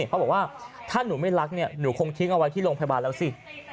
เขาบอกว่าถ้าหนูไม่รักเนี่ยหนูคงทิ้งเอาไว้ที่โรงพยาบาลแล้วสิ